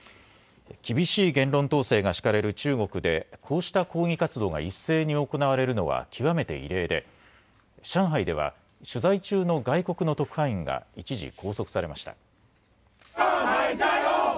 厳しい言論統制が敷かれる中国でこうした抗議活動が一斉に行われるのは極めて異例で上海では取材中の外国の特派員が一時拘束されました。